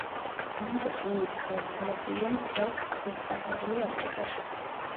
ბანტუს ენები გავრცელებულია მთელს სუბსაჰარული აფრიკაში.